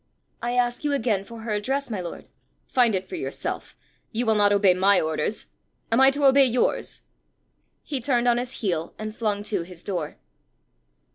"I ask you again for her address, my lord." "Find it for yourself. You will not obey my orders: am I to obey yours?" He turned on his heel, and flung to his door.